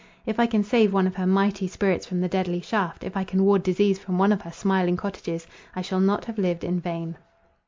If I can save one of her mighty spirits from the deadly shaft; if I can ward disease from one of her smiling cottages, I shall not have lived in vain."